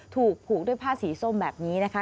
ถูกผูกด้วยผ้าสีส้มแบบนี้นะคะ